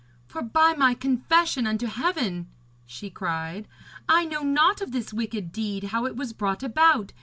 'For by my confession unto Heaven,' she cried, 'I know naught of this wicked deed how it was brought about.